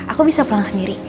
aku bisa pulang sendiri